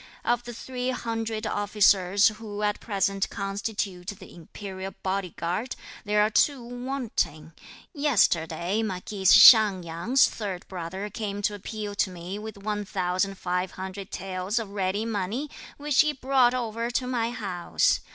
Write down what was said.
Of the three hundred officers who at present constitute the Imperial Body Guard, there are two wanting. Yesterday marquis Hsiang Yang's third brother came to appeal to me with one thousand five hundred taels of ready money, which he brought over to my house.